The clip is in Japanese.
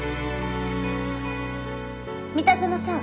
三田園さん